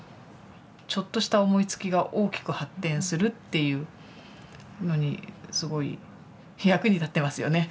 ちょっとした思いつきが大きく発展するっていうのにすごい役に立ってますよね。